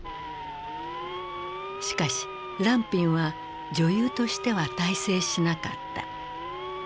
しかし藍蘋は女優としては大成しなかった。